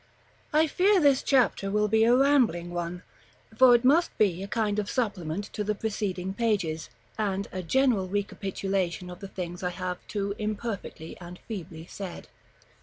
I fear this chapter will be a rambling one, for it must be a kind of supplement to the preceding pages, and a general recapitulation of the things I have too imperfectly and feebly said.